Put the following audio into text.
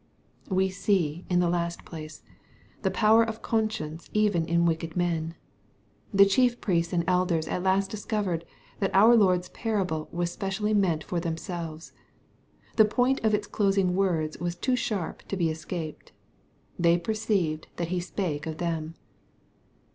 We see, in the last place, the power of conscience even in wicked men. The chief priests and elders at last discovered that oui Lord's parable was specially meant for themselves. The point of its closing words was too sharp to be escaped. ^^ They perceived that he spake of them."